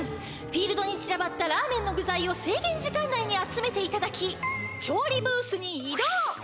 フィールドにちらばったラーメンのぐざいをせいげん時間内に集めていただき調理ブースにいどう！